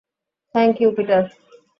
Thank you, Peter.